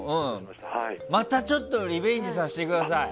また、ちょっとリベンジさせてください。